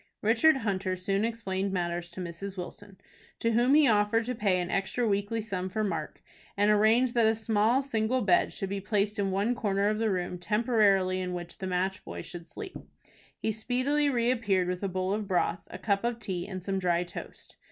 Richard Hunter soon explained matters to Mrs. Wilson, to whom he offered to pay an extra weekly sum for Mark, and arranged that a small single bed should be placed in one corner of the room temporarily in which the match boy should sleep. He speedily reappeared with a bowl of broth, a cup of tea, and some dry toast.